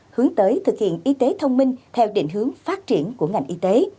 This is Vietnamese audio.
hướng tới thực hiện y tế thông minh theo định hướng phát triển của ngành y tế